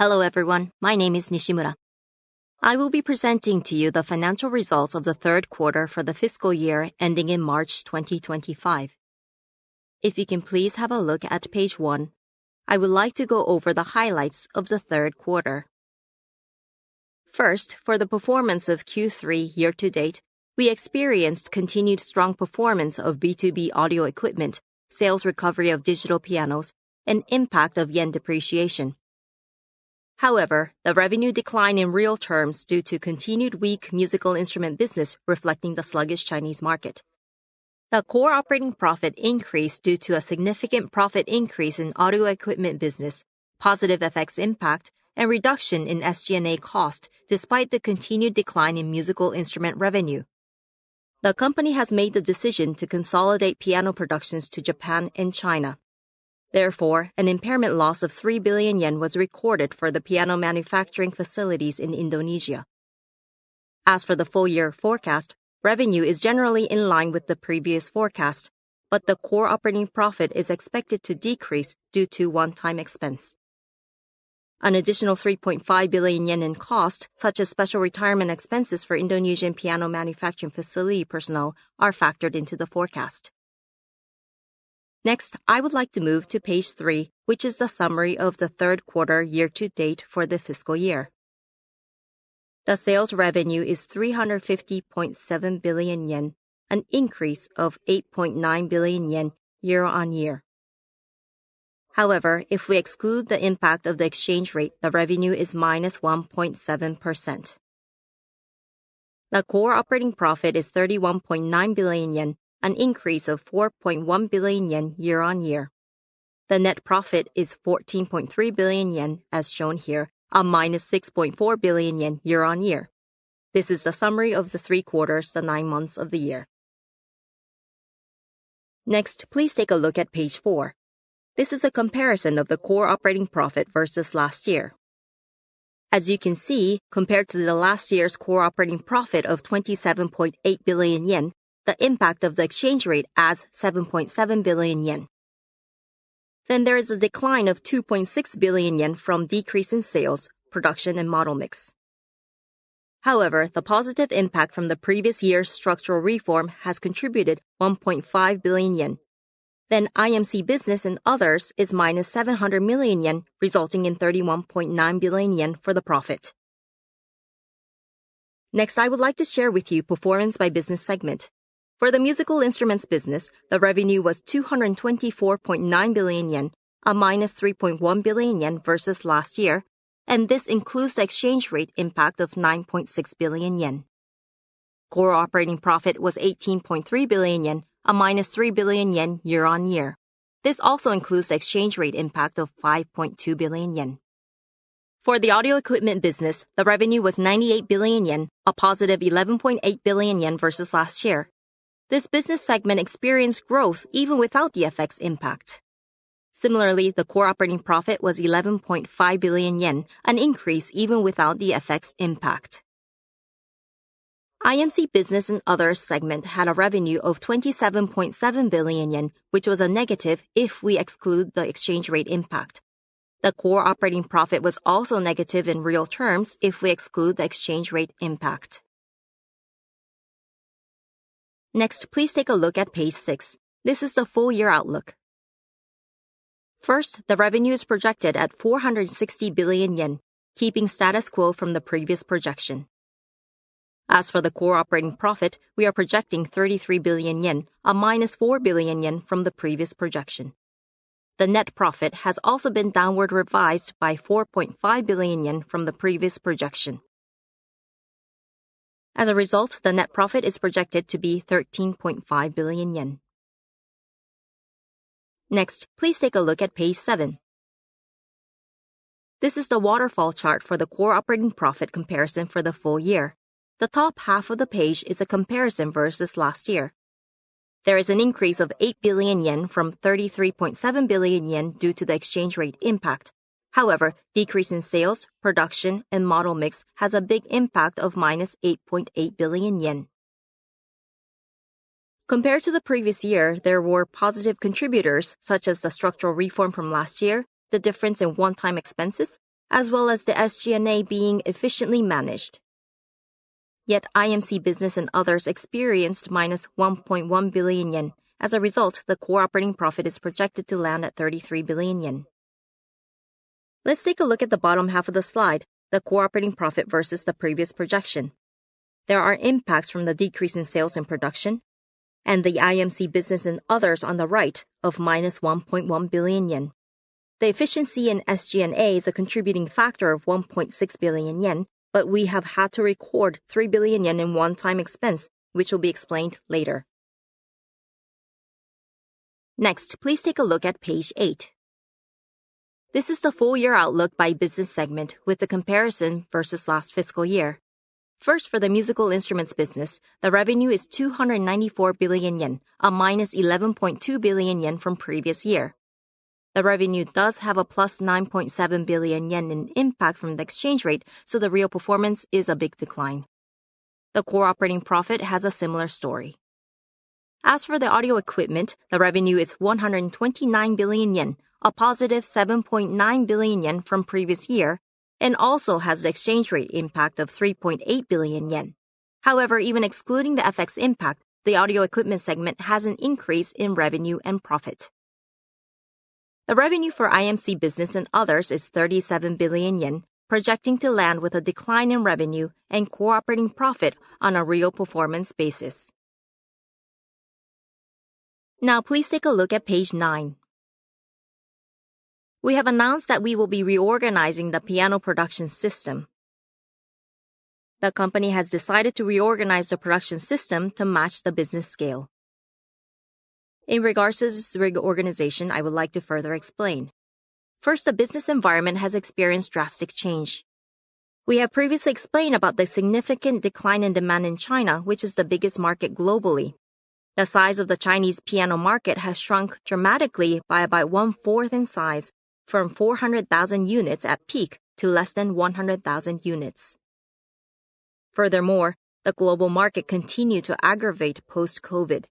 Hello everyone, my name is Nishimura. I will be presenting to you the Financial Results of the Third Quarter for the fiscal year ending in March 2025. If you can please have a look at page one, I would like to go over the highlights of the third quarter. First, for the performance of Q3 year to date, we experienced continued strong performance of B2B Audio Equipment, sales recovery of digital pianos, and impact of yen depreciation. However, the revenue declined in real terms due to continued weak musical instrument business reflecting the sluggish Chinese market. The core operating profit increased due to a significant profit increase in Audio Equipment business, positive FX impact, and reduction in SG&A cost despite the continued decline in musical instrument revenue. The company has made the decision to consolidate piano productions to Japan and China. Therefore, an impairment loss of 3 billion yen was recorded for the piano manufacturing facilities in Indonesia. As for the full-year forecast, revenue is generally in line with the previous forecast, but the core operating profit is expected to decrease due to one-time expense. An additional 3.5 billion yen in cost, such as special retirement expenses for Indonesian piano manufacturing facility personnel, are factored into the forecast. Next, I would like to move to page three, which is the summary of the third quarter year to date for the fiscal year. The sales revenue is 350.7 billion yen, an increase of 8.9 billion yen year on year. However, if we exclude the impact of the exchange rate, the revenue is -1.7%. The core operating profit is 31.9 billion yen, an increase of 4.1 billion yen year on year. The net profit is 14.3 billion yen, as shown here, a minus 6.4 billion yen year-on-year. This is the summary of the three quarters, the nine months of the year. Next, please take a look at page four. This is a comparison of the core operating profit versus last year. As you can see, compared to the last year's core operating profit of 27.8 billion yen, the impact of the exchange rate adds 7.7 billion yen. Then there is a decline of 2.6 billion yen from decrease in sales, production, and model mix. However, the positive impact from the previous year's structural reform has contributed 1.5 billion yen. Then IMC Business and Others is -700 million yen, resulting in 31.9 billion yen for the profit. Next, I would like to share with you performance by business segment. For the Musical Instruments business, the revenue was 224.9 billion yen, a minus 3.1 billion yen versus last year, and this includes the exchange rate impact of 9.6 billion yen. Core operating profit was 18.3 billion yen, a minus 3 billion yen year on year. This also includes the exchange rate impact of 5.2 billion yen. For the Audio Equipment business, the revenue was 98 billion yen, a positive 11.8 billion yen versus last year. This business segment experienced growth even without the FX impact. Similarly, the core operating profit was 11.5 billion yen, an increase even without the FX impact. IMC Business and Others segment had a revenue of 27.7 billion yen, which was a negative if we exclude the exchange rate impact. The core operating profit was also negative in real terms if we exclude the exchange rate impact. Next, please take a look at page six. This is the full-year outlook. First, the revenue is projected at 460 billion yen, keeping status quo from the previous projection. As for the core operating profit, we are projecting 33 billion yen, a -4 billion yen from the previous projection. The net profit has also been downward revised by 4.5 billion yen from the previous projection. As a result, the net profit is projected to be 13.5 billion yen. Next, please take a look at page seven. This is the waterfall chart for the core operating profit comparison for the full year. The top half of the page is a comparison versus last year. There is an increase of 8 billion yen from 33.7 billion yen due to the exchange rate impact. However, decrease in sales, production, and model mix has a big impact of -8.8 billion yen. Compared to the previous year, there were positive contributors such as the structural reform from last year, the difference in one-time expenses, as well as the SG&A being efficiently managed. Yet IMC Business and Others experienced -1.1 billion yen. As a result, the core operating profit is projected to land at 33 billion yen. Let's take a look at the bottom half of the slide, the core operating profit versus the previous projection. There are impacts from the decrease in sales and production, and the IMC Business and Others on the right of -1.1 billion yen. The efficiency in SG&A is a contributing factor of 1.6 billion yen, but we have had to record 3 billion yen in one-time expense, which will be explained later. Next, please take a look at page eight. This is the full-year outlook by business segment with the comparison versus last fiscal year. First, for the Musical Instruments business, the revenue is 294 billion yen, a -11.2 billion yen from previous year. The revenue does have a +9.7 billion yen in impact from the exchange rate, so the real performance is a big decline. The core operating profit has a similar story. As for the Audio Equipment, the revenue is 129 billion yen, a +7.9 billion yen from previous year, and also has the exchange rate impact of 3.8 billion yen. However, even excluding the FX impact, the Audio Equipment segment has an increase in revenue and profit. The revenue for IMC Business and Others is 37 billion yen, projecting to land with a decline in revenue and core operating profit on a real performance basis. Now, please take a look at page nine. We have announced that we will be reorganizing the piano production system. The company has decided to reorganize the production system to match the business scale. In regards to this reorganization, I would like to further explain. First, the business environment has experienced drastic change. We have previously explained about the significant decline in demand in China, which is the biggest market globally. The size of the Chinese piano market has shrunk dramatically by about one fourth in size, from 400,000 units at peak to less than 100,000 units. Furthermore, the global market continued to aggravate post-COVID.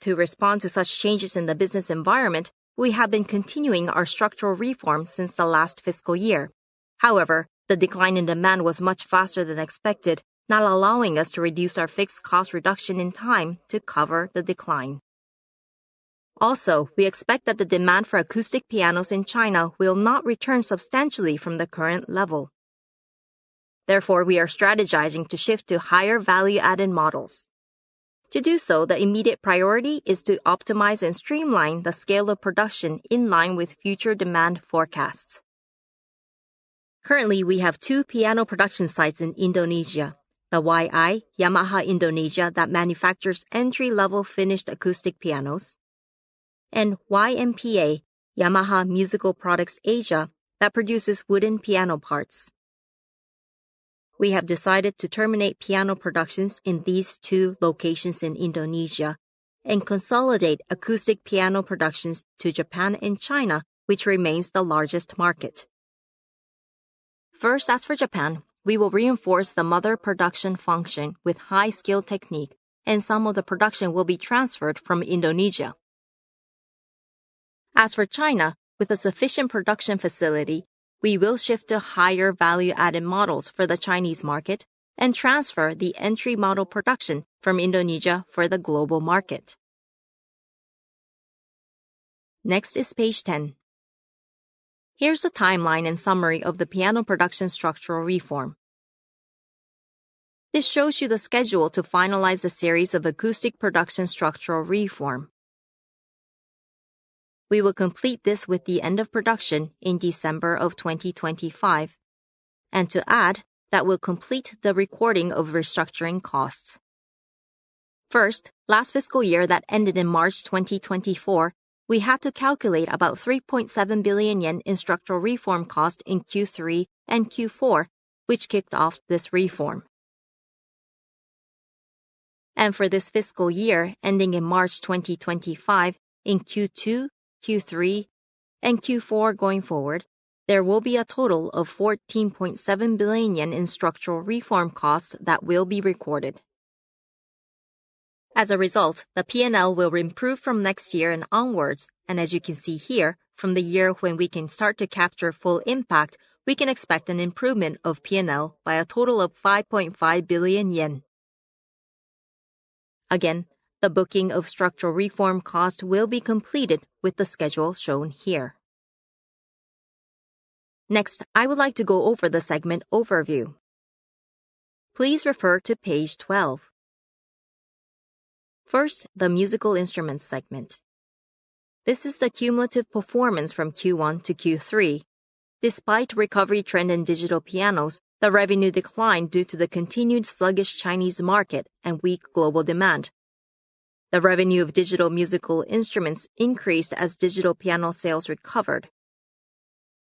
To respond to such changes in the business environment, we have been continuing our structural reform since the last fiscal year. However, the decline in demand was much faster than expected, not allowing us to reduce our fixed cost reduction in time to cover the decline. Also, we expect that the demand for acoustic pianos in China will not return substantially from the current level. Therefore, we are strategizing to shift to higher value-added models. To do so, the immediate priority is to optimize and streamline the scale of production in line with future demand forecasts. Currently, we have two piano production sites in Indonesia, the YI Yamaha Indonesia that manufactures entry-level finished acoustic pianos, and YMPA, Yamaha Musical Products Asia that produces wooden piano parts. We have decided to terminate piano productions in these two locations in Indonesia and consolidate acoustic piano productions to Japan and China, which remains the largest market. First, as for Japan, we will reinforce the mother production function with high-skill technique, and some of the production will be transferred from Indonesia. As for China, with a sufficient production facility, we will shift to higher value-added models for the Chinese market and transfer the entry model production from Indonesia for the global market. Next is page 10. Here's the timeline and summary of the piano production structural reform. This shows you the schedule to finalize the series of acoustic production structural reform. We will complete this with the end of production in December of 2025, and to add, that will complete the recording of restructuring costs. First, last fiscal year that ended in March 2024, we had to calculate about 3.7 billion yen in structural reform cost in Q3 and Q4, which kicked off this reform, and for this fiscal year ending in March 2025, in Q2, Q3, and Q4 going forward, there will be a total of 14.7 billion yen in structural reform costs that will be recorded. As a result, the P&L will improve from next year and onwards, and as you can see here, from the year when we can start to capture full impact, we can expect an improvement of P&L by a total of 5.5 billion yen. Again, the booking of structural reform costs will be completed with the schedule shown here. Next, I would like to go over the segment overview. Please refer to page 12. First, the musical instruments segment. This is the cumulative performance from Q1-Q3. Despite recovery trend in digital pianos, the revenue declined due to the continued sluggish Chinese market and weak global demand. The revenue of Digital Musical Instruments increased as digital piano sales recovered.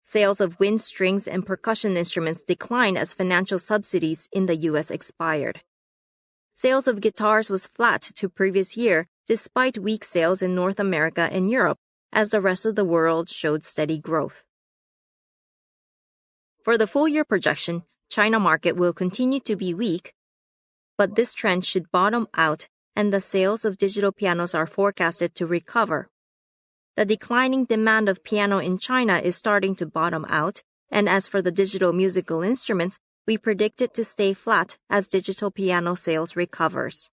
Sales of wind, strings, and percussion instruments declined as financial subsidies in the U.S. expired. Sales of guitars was flat to previous year, despite weak sales in North America and Europe, as the rest of the world showed steady growth. For the full-year projection, China market will continue to be weak, but this trend should bottom out, and the sales of digital pianos are forecasted to recover. The declining demand of piano in China is starting to bottom out, and as for the Digital Musical Instruments, we predict it to stay flat as digital piano sales recovers.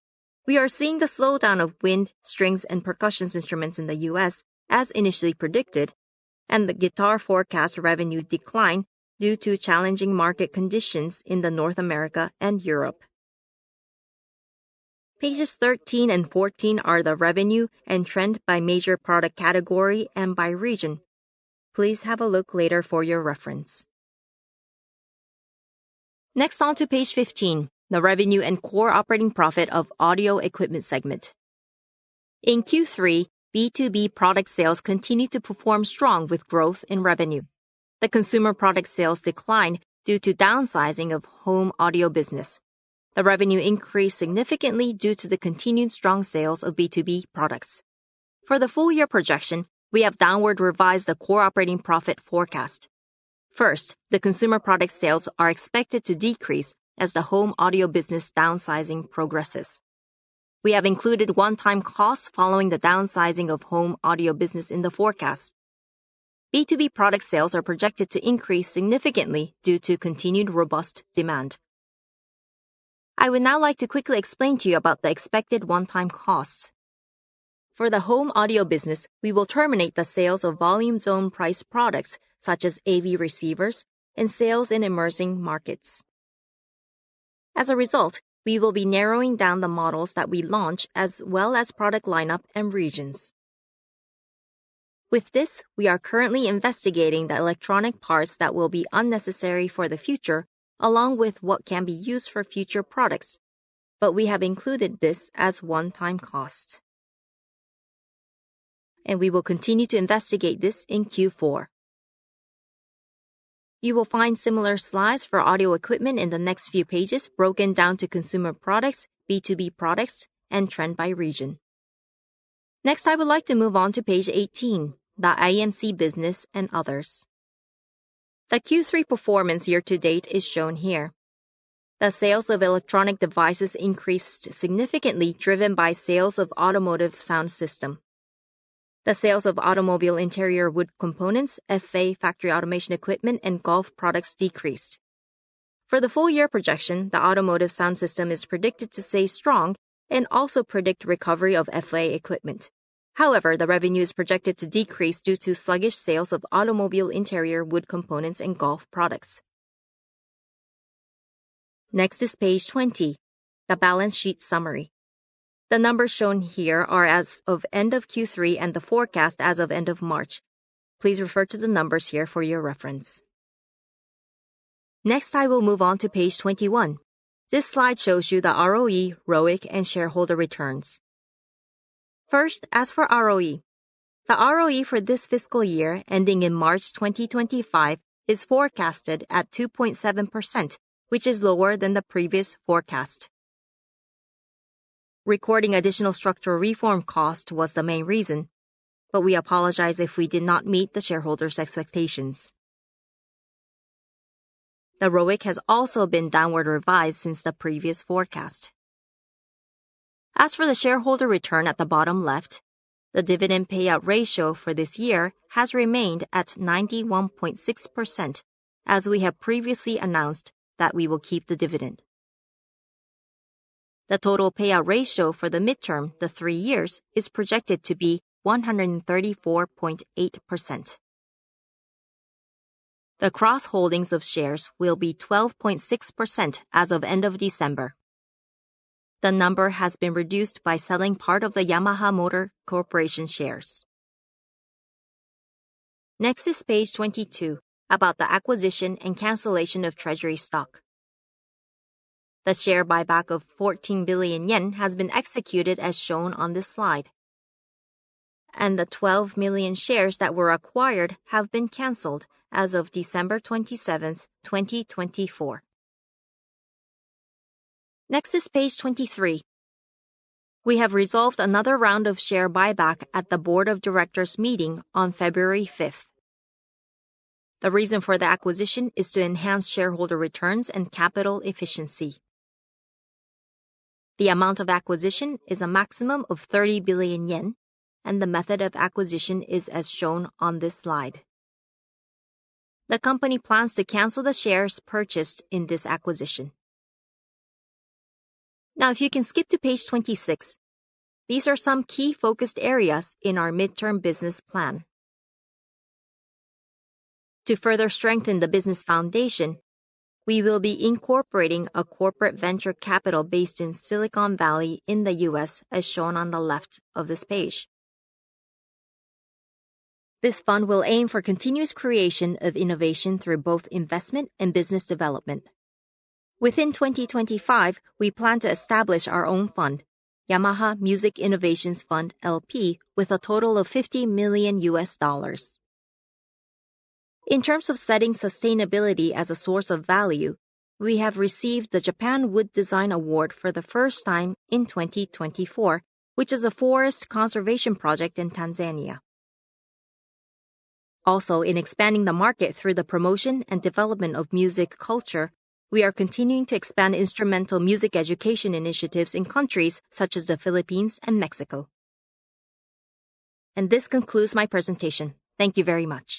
We are seeing the slowdown of wind, strings, and percussion instruments in the U.S., as initially predicted, and the guitar forecast revenue decline due to challenging market conditions in North America and Europe. Pages 13 and 14 are the revenue and trend by major product category and by region. Please have a look later for your reference. Next, on to page 15, the revenue and core operating profit of Audio Equipment segment. In Q3, B2B product sales continued to perform strong with growth in revenue. The consumer product sales declined due to downsizing of Home Audio business. The revenue increased significantly due to the continued strong sales of B2B products. For the full-year projection, we have downward revised the core operating profit forecast. First, the consumer product sales are expected to decrease as the Home Audio business downsizing progresses. We have included one-time costs following the downsizing of Home Audio business in the forecast. B2B product sales are projected to increase significantly due to continued robust demand. I would now like to quickly explain to you about the expected one-time costs. For the Home Audio business, we will terminate the sales of volume zone price products such as AV receivers and sales in emerging markets. As a result, we will be narrowing down the models that we launch as well as product lineup and regions. With this, we are currently investigating the electronic parts that will be unnecessary for the future, along with what can be used for future products, but we have included this as one-time cost, and we will continue to investigate this in Q4. You will find similar slides for Audio Equipment in the next few pages broken down to consumer products, B2B products, and trend by region. Next, I would like to move on to page 18, the IMC Business and Others. The Q3 performance year to date is shown here. The sales of electronic devices increased significantly, driven by sales of Automotive Sound System. The sales of Automobile Interior Wood Components, FA factory automation equipment, and golf products decreased. For the full-year projection, the Automotive Sound System is predicted to stay strong and also predict recovery of FA equipment. However, the revenue is projected to decrease due to sluggish sales of Automobile Interior Wood Components and golf products. Next is page 20, the balance sheet summary. The numbers shown here are as of end of Q3 and the forecast as of end of March. Please refer to the numbers here for your reference. Next, I will move on to page 21. This slide shows you the ROE, ROIC, and shareholder returns. First, as for ROE, the ROE for this fiscal year ending in March 2025 is forecasted at 2.7%, which is lower than the previous forecast. Recording additional structural reform cost was the main reason, but we apologize if we did not meet the shareholders' expectations. The ROIC has also been downward revised since the previous forecast. As for the shareholder return at the bottom left, the dividend payout ratio for this year has remained at 91.6%, as we have previously announced that we will keep the dividend. The total payout ratio for the midterm, the three years, is projected to be 134.8%. The cross holdings of shares will be 12.6% as of end of December. The number has been reduced by selling part of the Yamaha Motor Corporation shares. Next is page 22 about the acquisition and cancellation of treasury stock. The share buyback of 14 billion yen has been executed as shown on this slide, and the 12 million shares that were acquired have been canceled as of December 27th, 2024. Next is page 23. We have resolved another round of share buyback at the board of directors meeting on February 5th. The reason for the acquisition is to enhance shareholder returns and capital efficiency. The amount of acquisition is a maximum of 30 billion yen, and the method of acquisition is as shown on this slide. The company plans to cancel the shares purchased in this acquisition. Now, if you can skip to page 26, these are some key focused areas in our midterm business plan. To further strengthen the business foundation, we will be incorporating a corporate venture capital based in Silicon Valley in the US, as shown on the left of this page. This fund will aim for continuous creation of innovation through both investment and business development. Within 2025, we plan to establish our own fund, Yamaha Music Innovations Fund LP, with a total of $50 million. In terms of setting sustainability as a source of value, we have received the Japan Wood Design Award for the first time in 2024, which is a forest conservation project in Tanzania. Also, in expanding the market through the promotion and development of music culture, we are continuing to expand instrumental music education initiatives in countries such as the Philippines and Mexico. And this concludes my presentation. Thank you very much.